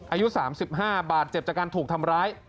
อายุ๓๕บาดเจ็บจากการถูกทำร้าย